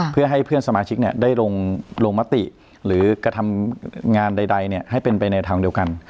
เพื่อให้เพื่อนสมาชิกได้ลงมติหรือกระทำงานใดให้เป็นไปในทางเดียวกัน